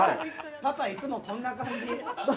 パパいつもこんな感じ？